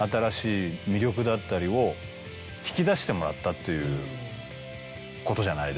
っていうことじゃないですか。